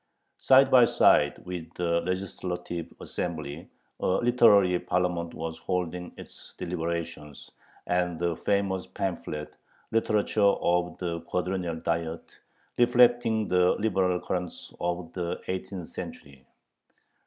Side by side with the legislative assembly, a literary parliament was holding its deliberations, the famous pamphlet "literature of the Quadrennial Diet," reflecting the liberal currents of the eighteenth century.